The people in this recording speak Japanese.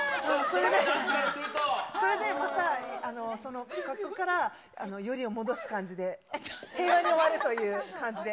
それでまた、からよりを戻す感じで、平和に終わるという感じで。